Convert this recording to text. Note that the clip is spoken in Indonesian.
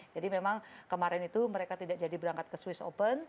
jadi memang kemarin itu mereka tidak jadi berangkat ke swiss open